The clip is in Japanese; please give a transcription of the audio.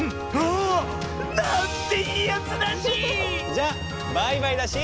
じゃバイバイだし！